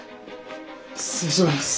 失礼します。